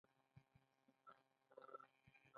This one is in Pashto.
بندیان هر یو په خپله کوټه کې وو چې قلفونه پرې وو.